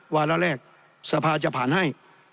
วาระแรกสภาจะผ่านให้